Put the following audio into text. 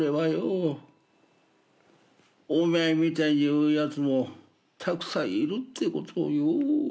お前みたいに言うやつもたくさんいるってことをよ。